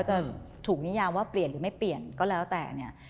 จะถูกนิยามว่าเปลี่ยนหรือไม่เปลี่ยนก็แล้วแต่เนี่ย